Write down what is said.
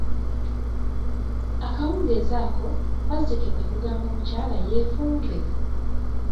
Akawungeezi ako, wazzike kwe kugamba omukyala yeefumbe!